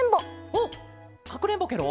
おっかくれんぼケロ？